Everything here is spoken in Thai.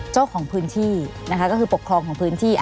เจ้าของพื้นที่นะคะก็คือปกครองของพื้นที่